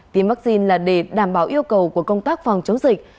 tiêm vaccine là để đảm bảo yêu cầu của công tác phòng chống dịch